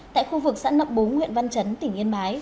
tại khu vực sẵn nập bốn huyện văn chấn tỉnh yên mái